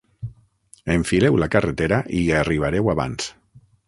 Enfileu la carretera i hi arribareu abans.